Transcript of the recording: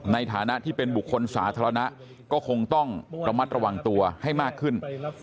ในฐานะที่เป็นบุคคลสาธารณะก็คงต้องระมัดระวังตัวให้มากขึ้น